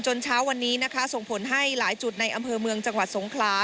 เช้าวันนี้นะคะส่งผลให้หลายจุดในอำเภอเมืองจังหวัดสงขลา